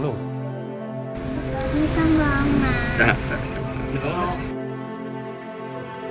ลูกต้องร้องมา